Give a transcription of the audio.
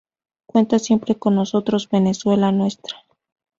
Cuenta siempre con nosotros, Venezuela nuestra!